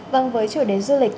vâng với chủ đề du lịch